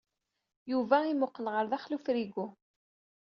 Yuba imuqel ɣer daxel ufrigu.